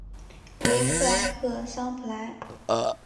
维克埃克桑普莱。